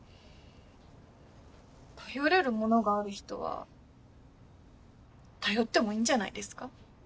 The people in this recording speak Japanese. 頼れるものがある人は頼ってもいいんじゃないですか？